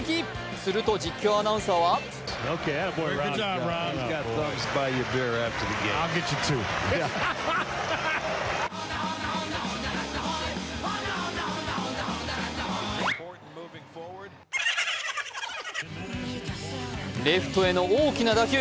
すると実況アナウンサーはレフトへの大きな打球。